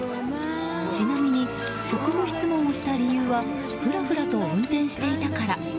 ちなみに、職務質問をした理由はふらふらと運転していたから。